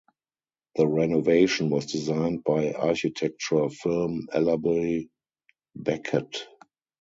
The renovation was designed by architecture firm Ellerbe Becket.